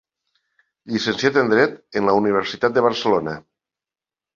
Llicenciat en Dret en la Universitat de Barcelona.